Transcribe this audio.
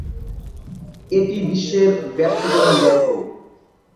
এটি বিশ্বের ব্যস্ততম মেট্রো।